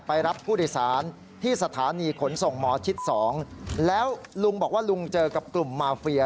ไปรับผู้โดยสารที่สถานีขนส่งหมอชิด๒แล้วลุงบอกว่าลุงเจอกับกลุ่มมาเฟีย